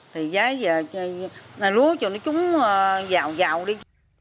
thì giá giờ cây lúa cho nó trúng dạo dạo đi